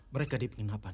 mereka di penginapan